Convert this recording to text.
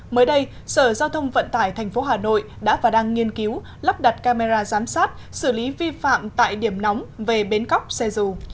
mới đây sở giao thông vận tải tp hà nội đã và đang nghiên cứu lắp đặt camera giám sát xử lý vi phạm tại điểm nóng về bến cóc xe dù